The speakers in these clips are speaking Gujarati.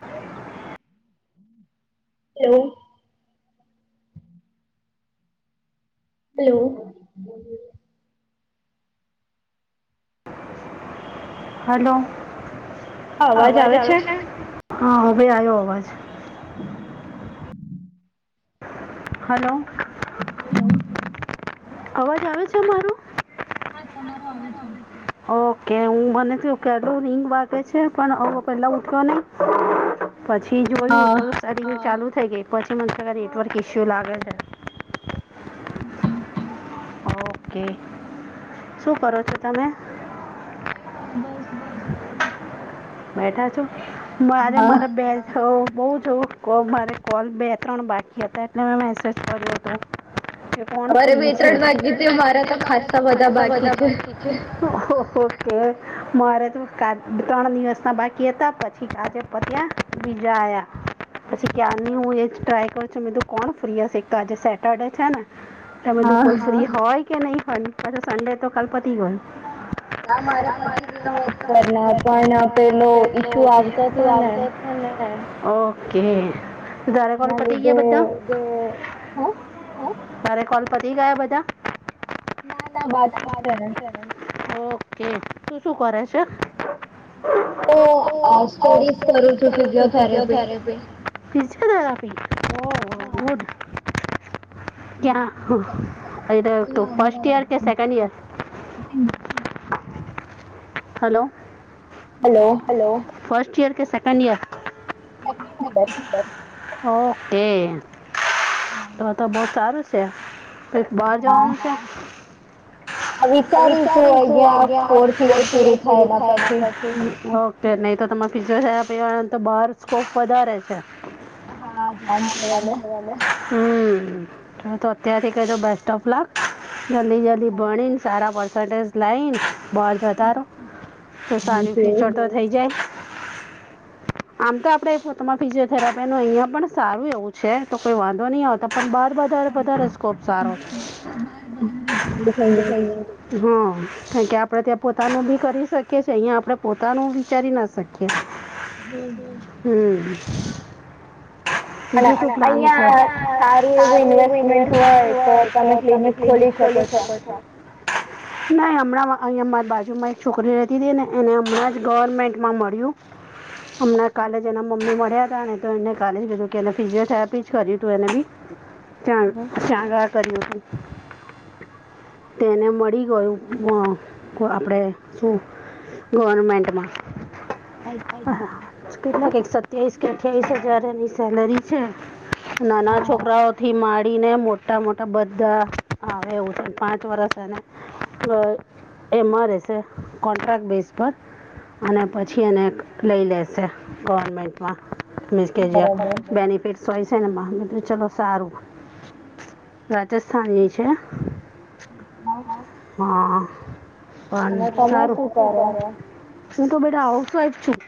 હા... એવું.... હેલો....... હલો... અવાજ આવે છે. હા... ઓવે આયો અવાજ હલો.... હલો.... અવાજ આવે છે મારો. હા તમારો આવે છે. ઓકે હું મને તું કેલું રીંગ વાગે છે પણ આવો પેલા ઉઠ્યો નહી પછી જોયું તોું ચાલુ થઇ ગઈ પછી મને નેટવર્ક ઈસ્યુ લાગે છે. ના.. એ શું કરો છો તમે કઈ નઈ બસ બેઠી છું. બેઠા છો મારા મારા બે હ બહુ જું મારે કોલ બે ત્રણ બાકી હતા એટલે મેં મેસેજ કર્યો હતો. મારા ત ખાસા બધા બાકી. ઓ ઓકે મારે તો ક ત્રણ દિવસ ના બાકી હતા પછી કાજેપત્યાં બીજા આયા પછી ક્યાર નહી હું એ જ ટ્રાય કરું છું મીધું કોણ ફ્રી હશે એક તો આજે સેટરડે છે ને તમેધું કોઈ ફ્રી હોય કે નહી હોય પછ સડે તો કાલ પતી ગય ના મારે પછ ગયા હોત કરના પણ પેલો ઈસ્યુ આવતો હતો ને ઓકે તારા કોલ પતિ ગીયા બધા ઓ મારે કોલ પતિ ગીયા બધા ના ના બાકી છે. ઓકે તું શું કરે છે. ઓ આચાયે હ સ્ટડીસ કરું છું ફિઝિયોથેરાપી. ઓ. આઓ પીજી. ક્યા ફર્સ્ટ ઈયર કે second year. Hello.. hello... hello first year કે સેકન્ડ ઇયર. એ નબર. ઓકે તો તો બહ સારું છે. તો ક્યાંક બહાર જવાનું છે. વિચારી શું હોય ગ્યા [unintelligible] યર પૂરું થાય ઓકે નહી તો તમારે ફીચર [unintelligible] તો બહાર સ્કોપ વધારે છે. હા ધ્યાન છે મને. હમ તો અત્યારથી કઈ દઉં બેસ્ટ ઓફ લક જલ્દી જલ્દી ભણી સારા પર્સન્ટેજ લાઈને બહાર જતા રહો. સારી [unintelligible] તો થઈ જાય. આમ તો આપડે ફમાં ફિઝિયોથેરાપી નો અહિયાં પણ સારું એવું છે તો કોઈ વાંધો નહી આવ તો પણ બાર વધારે વધારે સ્કોપ સારો [inaudible] હા કારણ કે આપડે ત્યાં પોતાનું ભી કરી શકીએ છીએ અહિયાં આપડે પોતાનું વિચારી ન શકીએ, હમ્મ. બીજું કોઈ પ્લાન છે, અહીંયા સારું એવું ઇન્વેસ્ટમેન્ટ હોય તો તમે ક્લિનિક ખોલી શકો છો, ના હમણાં અ અમારી બાજુમાં એક છોકરી દીધી અને એને હમણાં જ ગવર્મેન્ટમાં મળ્યું હમણાં કાલે જ એના મમ્મી મળ્યા હતા ને. તો એને કાલે જ કીધું કે એને ફિજીિયો થેરેપી જ કર્યું તું એને બી [unintelligible] કર્યું હતું. તેને મળી ગયું આપણેે શું. ગવર્મેન્ટમાં. કેટલાક સત્યાવીસ કે અઠ્યાવીસ હજાર એની સેલરી છે નાના છોકરાઓ થી માડીને મોટા મોટા બધા આવે એવું છે પાંચ વરષ અને [inaudible] એમા રેહશે. કોન્ટ્રાક બેઝ પર અને પછી એને લઈ લેશે ગવર્મેન્ટમાં. મિસ કે જે બેનિફિટ સોય છે ને [unintelligible] ચલો સારું. સ્થાન જે છે હા. [unintelligible] સારું, હું તો બેટા હાઉસવાઈફ છું.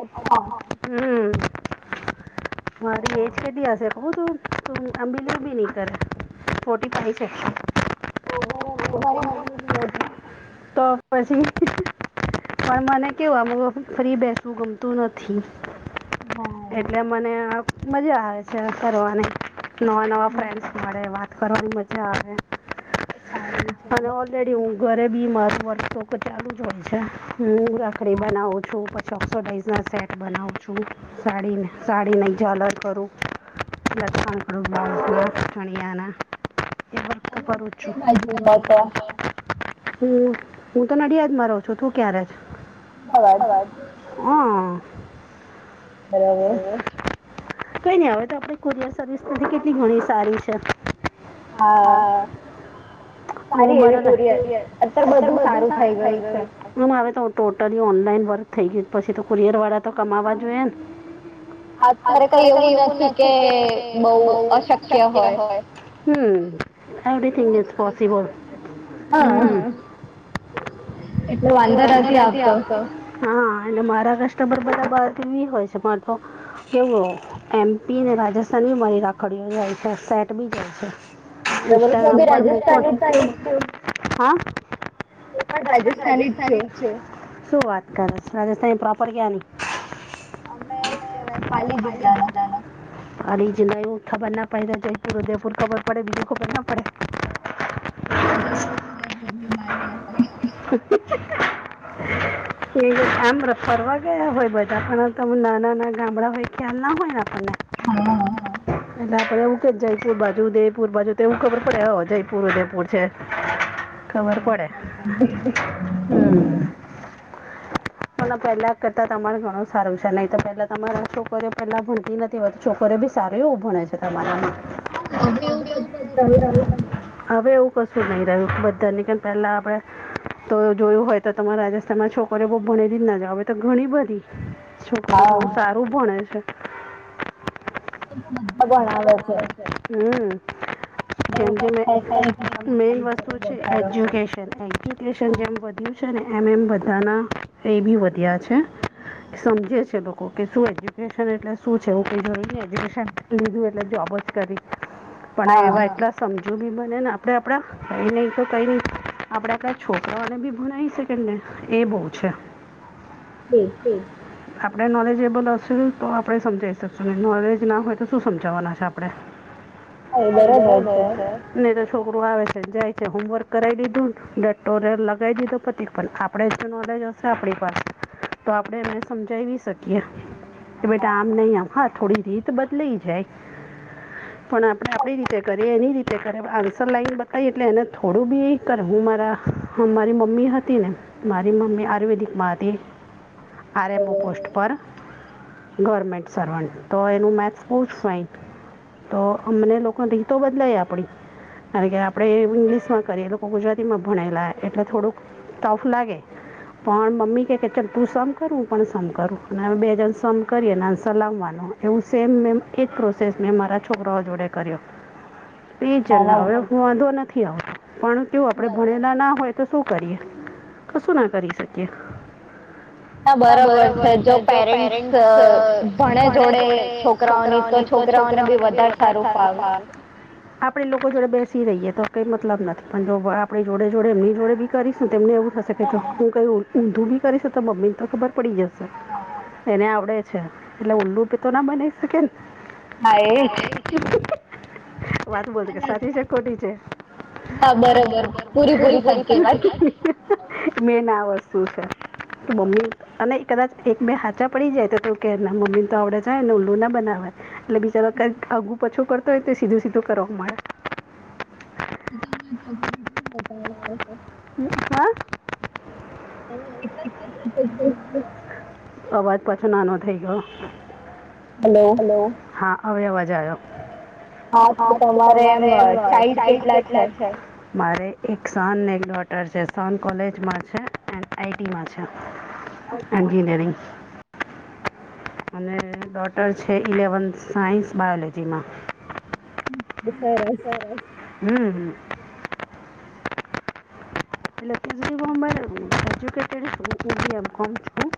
અચ્છા. હમ, મારી એજ કેટલી હશે ખબર શે. [inaudible] [unintelligible] મારા મમ્મી ને આવજે હા. તો પછી પણ મને કેવું આમ ફ્રી બેસવું ગમતું નથી. એટલે મને મજા આવે છે ફરવાની નવા નવા ફ્રેન્ડ મળે વાત કરવાની મજા આવે અને ઓલ રેડી હું ઘરે બી મારું વર્ષ તો ચાલુ જ હોય છે, હું રાખડી બનાવું છું. ચોક્સો ડાઇઝના સેટ બનાવું છું, સાડી નહીં ઝાલર કરું. [inaudible] ચણિયાના. એ વાત તો કરું છું, [inaudible] હમ, હું તો નડિયાદમાં રહું છું તું ક્યા રહે છે. [inaudible] કઈ નઈ અવે તો આપણે કોરિયર સર્વિસ કેટલી ઘણી સારી છે. હા, [unintelligible] બધું શાંત થઈ ગયું, પણ હવે તો ટોટલી ઓનલાઈન વર્ક થઈ ગયું પછી કુરિયર વાળા તો કમાવા જોઈએ. અત્યારે કઈ એવું નથી કે બઉ શક્ય હોય. હમ્મ એવરીથીંગ ઇટ્સ પોસિબલ, હમ્મ. એટલે વાંધો નથી આવતો. હા અને મારા કસ્ટમર બધા બાર થી હોય છે, મારે તો કેવું? એમપીને, રાજસ્થાની મારી રાખડીઓ જાય છે, સેટ બી જાય છે. ઇસ્ટાગ્રામ પર મોકલ, હું બી રાજસ્થાની છું, હા હું પણ રાજસ્થાની છું, શું વાત કરશ.. સરસ, તઈ પ્રોપર ક્યાંની અમે શું કેવાય પાલી જિલ્લાના અલી જીલ્લા એવું ના ખબર પડે, જયપુર, ઉદયપુર એવું જ ખબર પડે, બીજું ખબર ના પડે. ના, જતપુરને બોરલી મારણી [unintelligible] એ આમ ફરવા ગયા હોય બધા પણ, તમ નાના- નાના ગામડા હોય ખ્યાલના ના હોય, આપણે બધા હા [inaudible] એટલે આપણે હું કે જયપુર બાજુ ઉદયપુર બાજુ તો ખબર પડે, અવ જયપુર, ઉદયપુર છે. ખબર પડે, હમ્મ પણ પહેલા કરતા તમારે ઘણું સારું છે, નહી તો પહેલા તમારે શોકરીયો પહેલા ભણતી નથી. તો છોકરીઓ બી સારું એવું ભણે છે, તમારા માં, અમને આવું પણ હવે, એવું કશું નહીં રહ્યું, બધાની કે પહેલાં આપણે તો જોયું હોય, તો તમારા રાજસ્થાનમાં છોકરીઓ બઉ ભણેલી જ ના જોવે, હવે તો ઘણી બધી છોકરીઓ બહુ સારું ભણે છે. હવે તો ભણાવે છે, હમ્મ જેમ, જેમ.. મેન વસ્તુ છે, એજ્યુકેશન- એજ્યુકેશન જેમ વધ્યું છે ને, એમ એમ બધાના એ બી વધ્યા છે. સમજે છે, લોકો કે શું એજ્યુકેશન એટલે શું છે? એવું કઈ એજ્યુકેન લીધું, એટલે જોબ જ કરી. પણ આ એવા એટલા સમજુ બી બનેને આપડે આપડા, એ નઈ તો કઈ નઈ આપડે આપડા છોકરાઓને બી ભણાવી શકે ને, એ બહુ છે. હમ એક આપણે નોલેજેબલ હસુ તો આપણે સમજાઈ શકશું, નહી નોલેજ ના હોય તો શું સમજાવવાના છે આપણે હા, એ બરોબર છે, નહી તો છોકરું આવે છે જાય છે, હોમવર્ક કરાઇ લીધું, ડટોરલ લગાવી દીધું, પતી પણ આપે શું નોલેજ હશે આપણી પાસે તો આપણેે એને સમજાવી શકીએ. કે બેટા આમ નઈ, આમ હા થોડી રીત બદલાઈ જાય. પણ આપણે આપડી રીતે કરીએ, એની રીતે કરી આન્સર લાઈન બતાઈ એ એટલે એને થોડું હું બી કર, હું મારા મારી મમ્મી હતી ને મારી મમ્મી આયુર્વેદિક માં હતી. આર. એમ. ઓ. પોસ્ટ પર ગવર્મેન્ટ સર્વન્ટ તો, એનું મેથ બોવ જ ફાઈન તો અમને લોકો રીતો બદલાય આપણી કારણ કે, આપણે ઇંગ્લિશમાં કરી, એ લોકો ગુજરાતીમાં ભણેલા એટલે થોડુંક ટફ લાગે. પણ મમ્મી કે કે ચલ તું સમ કરું, હું પણ સમ કરું અને અમે બે જણ સમ કરીએ અને આનસર લાવવાના એવું સેમ મે એ જ પ્રોસેસ મેં મારા છોકરાઓ જોડે કર્યો. તે જ ન હવે, વાંધો નથી આવતો પણ કેવું આપણે ભણેલા ના હોય. તો શું કરીએ? કશું ના કરી શકીએ. ના બરોબર છે, જો પેરેન્ટ્સ ભણે જોડે છોકરાઓની, તો છોકરાઓને બી વધારે સારું ફાવે આપણી લોકો જોડે બેસી રહીએ તો કંઈ મતલબ નથી, પણ જો આપણી જોડે-જોડે એમની જોડે બી કરીશું તેમને એવું થશે હું કઈ ઊંધું બી કરીશ તો મમ્મી ને તો ખબર પડી જશે એને આવડે છે એટલે ઉલ્લું બી તો ના બનાવી શકે ને [unintelligible] વાત બોલ કે સાચી છે કે ખોટી છે બરોબર પૂરી પૂરી સાચી છે મેન આ વસ્તુ છે. મમ્મી અને કદાચ એક બે હાચા પડી તો કે મમ્મીને તો આવડે છેને ઉલું ના બનાવત એટલે બીચારો કઈક આગું પાછું કરતો હોય તો સીધું સીધું કરવા મળે તમે [unintelligible] બતાવ છો હા [unintelligible] અવાજ પાછો નાનો થઇ ગયો હલો હા હવે અવાજ આયો હા તો તમારે એ ચાઈલ્ડ કેટલા મારે એક સન ને ડોટર છે સન કોલેજમાં છે. આઈટીમાં છે એન્જનીયરીંગ હમ [unintelligible] અને ડોટર છે ઇલેવન્થ સાયન્સ બાયોલોજીમાં એ સરસ સરસ હમ હ એટલે [unintelligible] એમ કોમ છું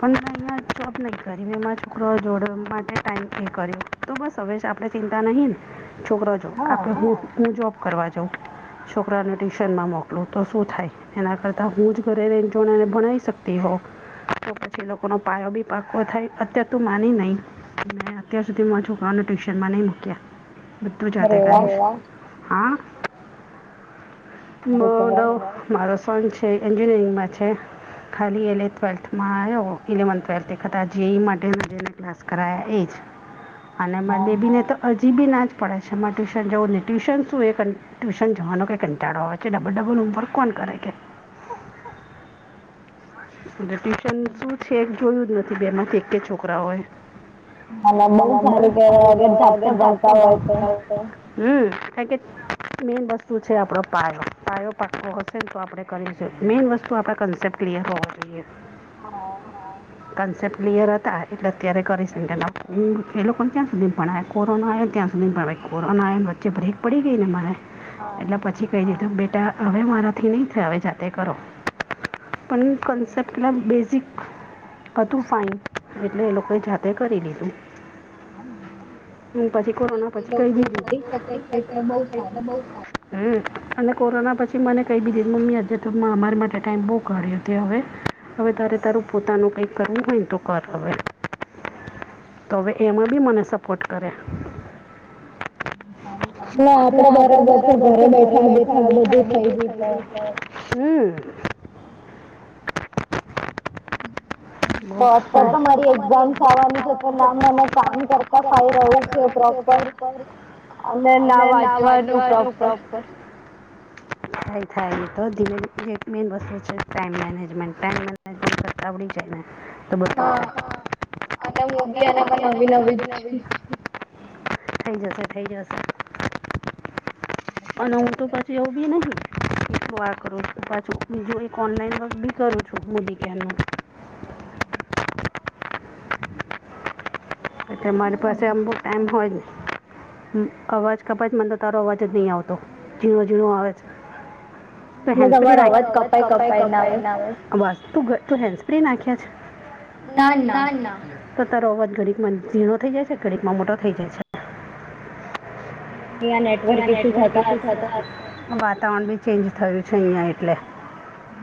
પણ મે અહીંયા જોબ નહીં કરી મેં મારા છોકરો જોડવા માટે ટાઈમ એ કર્યો તો બસ હવેશ આપડે ચિંતા નહી ને છોકરા જો આપણે હું હું જોબ કરવા જાઉં છોકરાને ટ્યુશનમાં મોક એટલું તો શું થાય એના કરતાં હું જ ઘરે રહીને [unintelligible] ભણાવી શકું હો તો પછી લોકોનો પાયો બી પાકો થાય અત્યાર તું માની નહીં મેં અત્યાર સુધીમાં માર છોકરાઓને ટ્યુશનમાં નહીં મૂક્યા બધું જાતે કરીશ હા મો દવ મારો સન છે એન્જિનિયરિંગમાં છે. ખાલી એલે ટ્વેલ્થમાં આવ્યો ઇલેવન્થ ટ્વેલ્થ [unintelligible] જેઈ માટે [unintelligible] ને ક્લાસ કરાયા એ જ. અને મારા બેટીને તો હજી બી ના જ પડે છે અમારે ટ્યુશન જવું નહીં ટ્યુશન શું એ ટ્યુશન જવાનું કે કં કંટાળો આવે છે ડબલ ડબલ હોમવર્ક કોણ કરે કે ટ્યુશન શું છે એ જોયું જ નથી બેમાંથી એક કે છોકરાઓય. [inaudible] હમ્મ મેન વસ્તુ છે આપડો પાયો પાયો પાકો હશે તો આપડે કરી શકીએ મેન વસ્તુ આપડે કરી ક્લીયર હોવો જોઈએ કન્સેપ્ટ ક્લિયર હતા એટલે અત્યારે કરીશ કે [inaudible] એ લોકોને ક્યાં સુધી ભણાય કોરોનો આયો ત્યાં સુધી ભણાવ કોરોના આયો પછી બ્રેક પડી ગઈને મારે એટલે પછી કઈ દીધું બેટા હવે મારાથી નઈ થાય હવે જાતે કરો. પન કોન્સેપ્ટ બે બેઝીંક હતું ફાઇન એટલે એ લોકોએ જાતે કરી લીધું. હ પછી કોરોના પછી કહી દીધું. [unintelligible] હ અને કોરોના પછી મને કઈ બી દીધુ મમ્મી આજે તો અમ અમારી માટે ટાઈમ બહુ કાઢ્યો તે હવે હવે તારે તારું પોતાનું કઈ કરવુ હોય તો કર હવે. તો હવે એમાં બી મને સપોર્ટ કરે. ના આપડે બરાબર છે ઘરે બેઠા બેઠા બધું થઈ ગયુ છે. હમ્મ તો તો મારી એક્ઝામ આવાની છે [unintelligible] કર અમે ના વાંચવાનું કો થાય થાય તો ધીમે ધીમે [inaudible] વસ્તુ છે ટાઈ મેનેજમેન્ટ. ટાઈમ મેનેજ કરતા આવડી જાય ને. હા અને હું બી એનામાં નવી નવી જ છું. થઈ જશે થઈ જશે. અને હું તો પાછી એવું બી નહી એકલું આ કરું છું. પાછું એક ઓનલાઈન વક બી કરું છું હું બીજાનું. [inaudible] એટલે મારી પાસે આમ બહુ ટાઈમ હોય ની. હમ્મ અવાજ કપાય તો મને તો તારો અવાજ જ નહીં આવતો ઝીણો ઝીણો આવે છે. તમારો અવાજ કપાય કપાય ને આવે. બસ તું ગ તું હેન્ડ સ્પ્રે નાખ્યા છે? તો તારો અવાજ ઘડીકમાં ઝીણો થઈ જાય છે કે ઘડીકમાં મોટો થઈ જાય છે. અહીંયા નેટ અયા નેટવર્ક ઇશુ થતા હતા વાતાવરણ બી ચેન્જ થયું છે અહીંયા એટલે.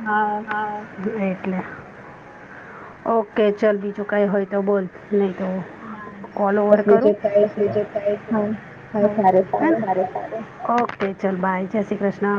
હા. હા એટલે ઓકે ચલ બીજું કંઈ હોય તો બોલ? નહી તો કૉલ ઓવર કરું? ઓકે ચલ બાય જય શ્રી કૃષ્ણ.